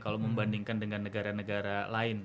kalau membandingkan dengan negara negara lain